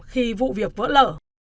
khi vụ việc vỡ lở